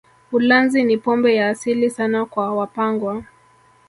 Ulanzi ni pombe ya asili sana kwa Wapangwa